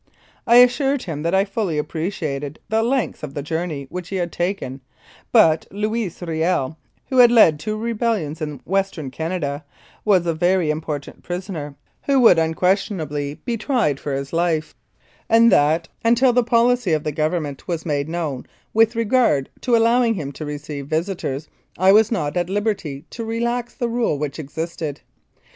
I assured him that I fully appreciated the length of the journey which he had taken, but Louis Riel, who had led two rebellions in Western Canada, was a very im portant prisoner, who would unquestionably be tried for M 185 Mounted Police Life in Canada his life, and that, until the policy of the Government was made known with regard to allowing him to receive visitors, I was not at liberty to relax the rule which existed.